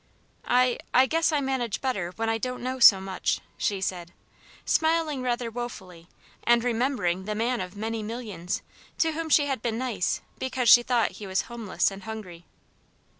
"I I guess I manage better when I don't know so much," she said, smiling rather wofully and remembering the man of many millions to whom she had been "nice" because she thought he was homeless and hungry.